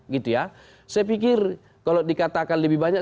saya pikir kalau dikatakan lebih banyak